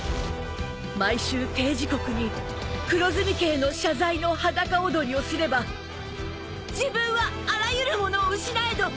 毎週定時刻に黒炭家への謝罪の裸踊りをすれば自分はあらゆるものを失えど